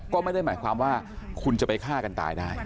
ก็ไม่ได้หมายความว่าคุณจะไปฆ่ากันตายได้